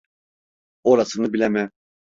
Orasını bilemem.